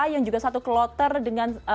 yang juga satu kloter dengan